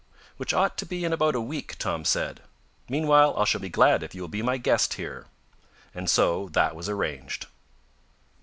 "Which ought to be in about a week," Tom said. "Meanwhile I shall be glad if you will be my guest here." And so that was arranged.